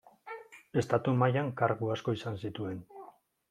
Estatu mailan kargu asko izan zituen.